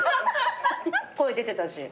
声出てたし。